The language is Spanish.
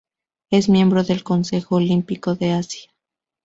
Es miembro del Consejo Olímpico de Asia.